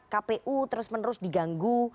kpu terus menerus diganggu